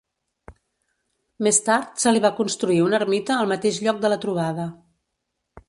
Més tard se li va construir una ermita al mateix lloc de la trobada.